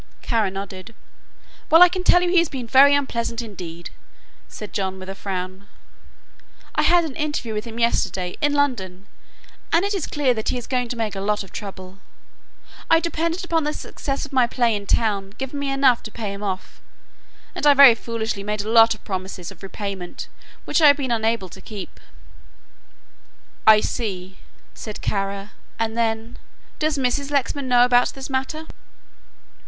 Kara nodded. "Well, I can tell you he has been very unpleasant indeed," said John, with a frown, "I had an interview with him yesterday in London and it is clear that he is going to make a lot of trouble. I depended upon the success of my play in town giving me enough to pay him off, and I very foolishly made a lot of promises of repayment which I have been unable to keep." "I see," said Kara, and then, "does Mrs. Lexman know about this matter?"